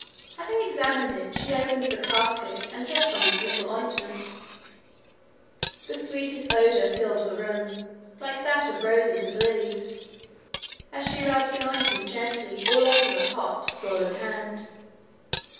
Having examined it, she opened the casket, and took from it a little ointment. The sweetest odour filled the room like that of roses and lilies as she rubbed the ointment gently all over the hot swollen hand.